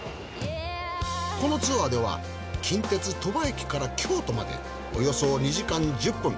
このツアーでは近鉄鳥羽駅から京都までおよそ２時間１０分。